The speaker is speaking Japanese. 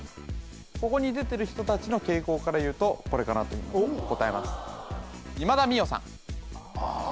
ここに出てる人達の傾向からいうとこれかなというのを答えますああ